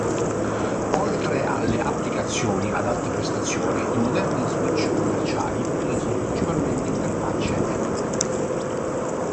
Oltre alle applicazioni ad alte prestazioni, i moderni switch commerciali utilizzano principalmente interfacce Ethernet.